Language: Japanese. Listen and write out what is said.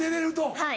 はい。